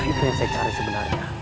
itu yang saya cari sebenarnya